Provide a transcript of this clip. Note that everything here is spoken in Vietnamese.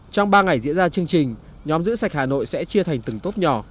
trong ba ngày diễn ra chương trình nhóm giữ sạch hà nội sẽ chia thành từng tốp nhỏ